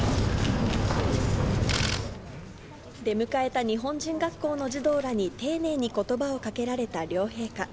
出迎えた日本人学校の児童らに丁寧にことばをかけられた両陛下。